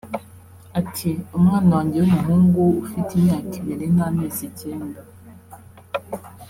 Ati “ Umwana wanjye w’umuhungu ufite imyaka ibiri n’amezi icyenda